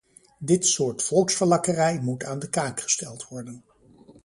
Dit soort volksverlakkerij moet aan de kaak gesteld worden.